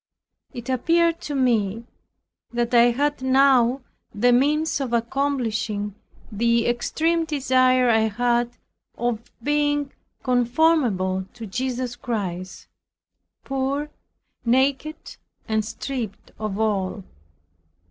It appeared to me that I had now the means of accomplishing the extreme desire I had of being conformable to Jesus Christ, poor, naked, and stripped of all.